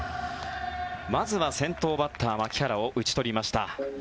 まずは先頭バッター、牧原を打ち取りました。